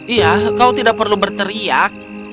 iya kau tidak perlu berteriak